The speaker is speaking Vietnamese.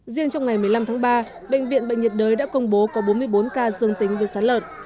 riêng trong ngày một mươi năm tháng ba bệnh viện bệnh nhiệt đới đã công bố có bốn mươi bốn ca dương tính với sán lợn